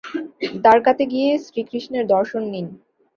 দ্বারকাতে গিয়ে শ্রীকৃষ্ণের দর্শন নিন।